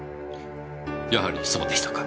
やはりそうでしたか。